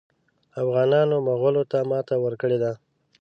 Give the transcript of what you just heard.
افغانانو مغولو ته ماته ورکړې ده.